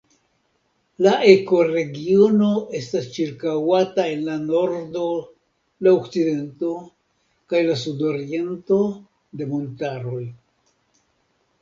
La ekoregiono estas ĉirkaŭata en la nordo, la okcidento kaj la sudoriento de montaroj.